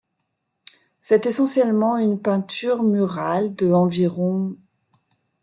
C’est essentiellement une peinture murale de environ.